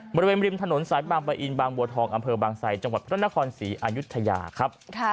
บริเวณริมถนนสายบางปะอินบางบัวทองอำเภอบางไซจังหวัดพระนครศรีอายุทยาครับ